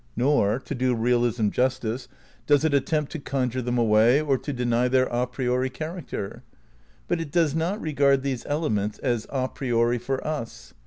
Nor, to do realism justice, does it attempt to conjure them away, or to deny their a priori character. But it does not regard these elements as a priori for us.